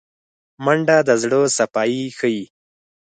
منډه د زړه صفايي ښيي